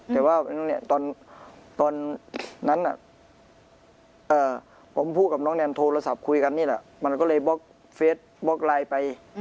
แต่ว่าตอนนั้นผมพูดกับน้องแนมโทรศัพท์คุยกันนี่แหละมันก็เลยบล็อกเฟสบล็อกไลน์ไป